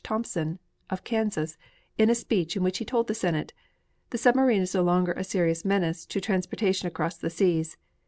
Thompson of Kansas in a speech in which he told the Senate: The submarine is no longer a serious menace to transportation across the seas.